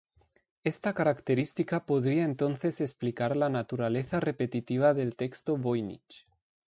Esta característica podría entonces explicar la naturaleza repetitiva del texto Voynich.